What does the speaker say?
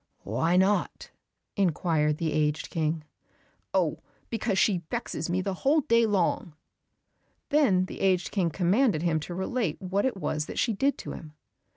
"Why not?" inquired the aged King. "Oh, because she vexes me the whole day long." Then the aged King commanded him to relate what it was that she did to him.